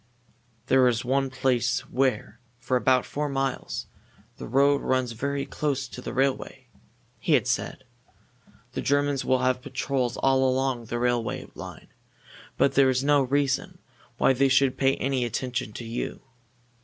"There is one place where, for about four miles, the road runs very close to the railway," he had said. "The Germans will have patrols all along the railway line, but there is no reason why they should pay any attention to you.